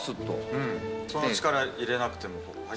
力入れなくても。